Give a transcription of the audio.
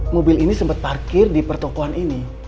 mobil ini sempat parkir di pertokohan ini